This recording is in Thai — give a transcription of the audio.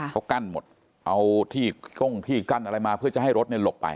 เขากั้นหมดเอาที่ก้งที่กั้นอะไรมาเพื่อจะให้รถหลบไป